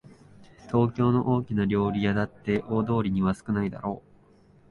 東京の大きな料理屋だって大通りには少ないだろう